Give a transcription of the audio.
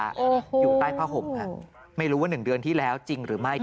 อยู่ใต้ผ้าห่มค่ะไม่รู้ว่า๑เดือนที่แล้วจริงหรือไม่